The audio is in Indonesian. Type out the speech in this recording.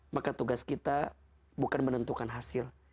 maka tugas kita bukan menentukan hasil